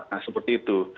nah seperti itu